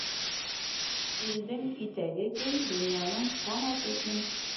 Илдең итәге киң, донъяның ҡанаты киң.